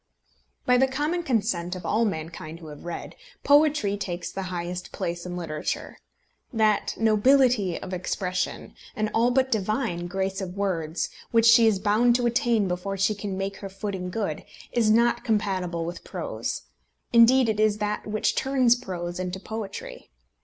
By the common consent of all mankind who have read, poetry takes the highest place in literature. That nobility of expression, and all but divine grace of words, which she is bound to attain before she can make her footing good, is not compatible with prose. Indeed it is that which turns prose into poetry.